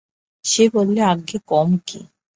সে বললে, আজ্ঞে, কম কী!